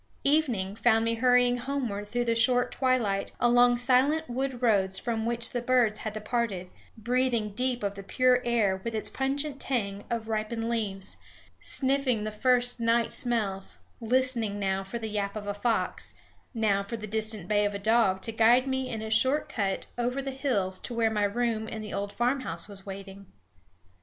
Evening found me hurrying homeward through the short twilight, along silent wood roads from which the birds had departed, breathing deep of the pure air with its pungent tang of ripened leaves, sniffing the first night smells, listening now for the yap of a fox, now for the distant bay of a dog to guide me in a short cut over the hills to where my room in the old farmhouse was waiting.